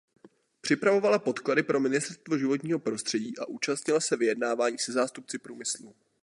Připravovala podklady pro ministerstvo životního prostředí a účastnila se vyjednávání se zástupci průmyslu.